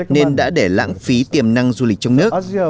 nên đã để lãng phí tiềm năng du lịch trong nước